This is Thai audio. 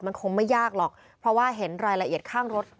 มันคงไม่ยากหรอกเพราะว่าเห็นรายละเอียดข้างรถ